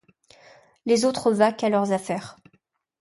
Les autres vaquent à leurs affaires.